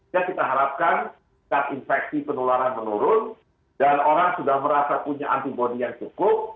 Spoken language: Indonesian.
kita harapkan saat infeksi penularan menurun dan orang sudah merasa punya antibodi yang cukup